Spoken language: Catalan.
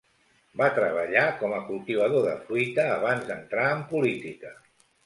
Va treballar com a cultivador de fruita abans d'entrar en política.